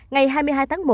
ngày hai mươi hai tháng một